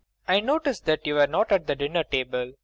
] I noticed that you were not at the dinner table.